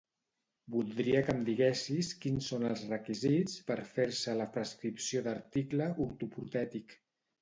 Voldria que em diguessis quins són els requisits per fer-se la prescripció d'article ortoprotètic.